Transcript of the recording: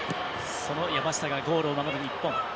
その山下がゴールを守る日本。